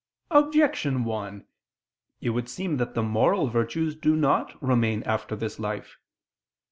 Objection 1: It would seem that the moral virtues do not remain after this life.